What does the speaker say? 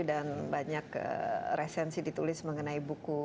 dan banyak resensi ditulis mengenai buku